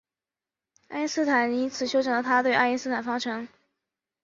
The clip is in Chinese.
爱因斯坦因此修正了他的爱因斯坦方程。